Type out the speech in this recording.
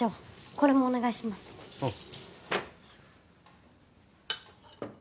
これもお願いしますああ